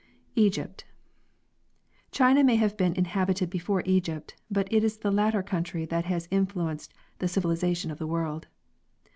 Egypt. China may have been inhabited before Egypt, but it is the latter country that has influenced the civilization of the world.